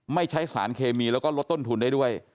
ไม่ใช้สารเคมีแล้วก็ลดต้นทุนได้ด้วย